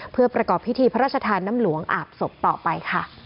เพื่อประกอบพิธีพระราชทานน้ำหลวงอาบศพต่อไปค่ะ